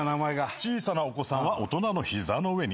小さなお子さんは大人の膝の上に。